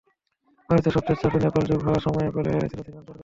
ভারতে সর্বশেষ সাফে নেপাল যোগ হওয়া সময়ের গোলে হেরেছিল শ্রীলঙ্কার কাছে।